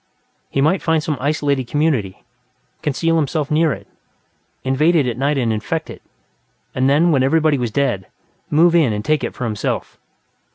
He might find some isolated community, conceal himself near it, invade it at night and infect it, and then, when everybody was dead, move in and take it for himself.